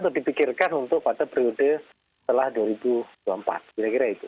atau dipikirkan untuk pada periode setelah dua ribu dua puluh empat kira kira itu